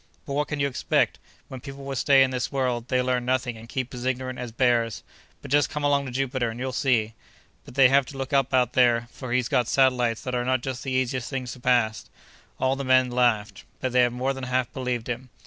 "But what can you expect? When people will stay in this world, they learn nothing and keep as ignorant as bears. But just come along to Jupiter and you'll see. But they have to look out up there, for he's got satellites that are not just the easiest things to pass." All the men laughed, but they more than half believed him.